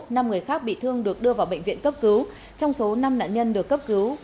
năm người khác bị thương được đưa vào bệnh viện cấp cứu trong số năm nạn nhân được cấp cứu